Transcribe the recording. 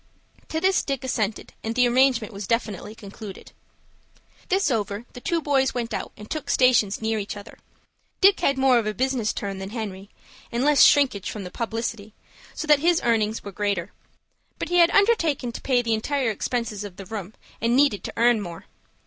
To this Dick assented, and the arrangement was definitely concluded. This over, the two boys went out and took stations near each other. Dick had more of a business turn than Henry, and less shrinking from publicity, so that his earnings were greater. But he had undertaken to pay the entire expenses of the room, and needed to earn more.